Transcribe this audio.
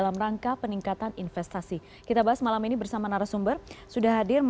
mbak nining selamat malam terima kasih sudah hadir